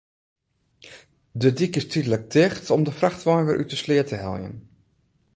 De dyk is tydlik ticht om de frachtwein wer út de sleat te heljen.